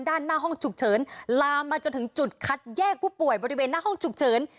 ด้านหน้าห้องฉุกเฉินลามมาจนถึงจุดคัดแยกผู้ป่วยบริเวณหน้าห้องฉุกเฉิน